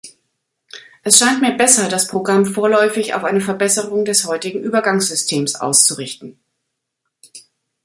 Es scheint mir besser, das Programm vorläufig auf eine Verbesserung des heutigen Übergangssystems auszurichten.